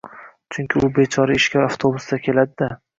Chunki u bechora ishga avtobusda keladi-da